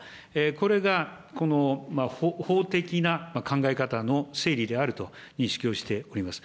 これが、この法的な考え方の整理であると認識をしております。